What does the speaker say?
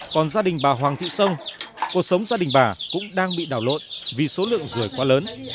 còn gia đình bà hoàng thị sông cuộc sống gia đình bà cũng đang bị đảo lộn vì số lượng rưỡi quá lớn